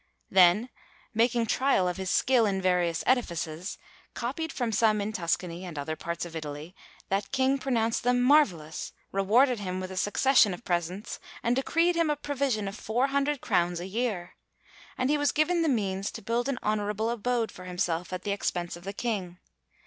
Then, making trial of his skill in various edifices, copied from some in Tuscany and other parts of Italy, that King pronounced them marvellous, rewarded him with a succession of presents, and decreed him a provision of four hundred crowns a year; and he was given the means to build an honourable abode for himself at the expense of the King.